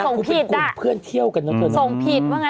นางคงเป็นกลุ่มเพื่อนเที่ยวกันนะเธอนางคงเป็นกลุ่มเพื่อนเที่ยวกันนะเธอ